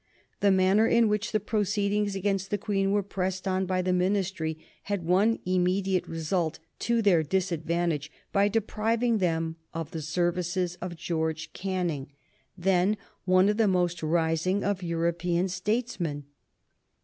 The manner in which the proceedings against the Queen were pressed on by the Ministry had one immediate result to their disadvantage by depriving them of the services of George Canning, then one of the most rising of European statesmen.